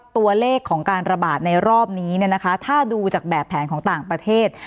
ตัวเลขของการระบาดในรอบนี้ถ้าดูจากแบบแผนของต่างประเทศ